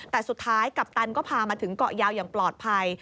แต่สุดท้ายกัปตันก็พามาถึงเกาะยาวอย่างปลอดภัย